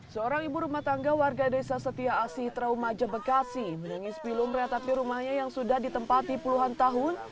seorang ibu rumah tangga warga desa setia asih traumaja bekasi menangis pilung kereta api rumahnya yang sudah ditempati puluhan tahun